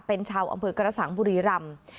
เป็นชาวอำเภอกระสังบุรีรำ